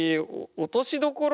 落としどころ？